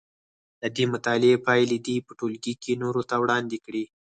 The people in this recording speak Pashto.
د دې مطالعې پایلې دې په ټولګي کې نورو ته وړاندې کړي.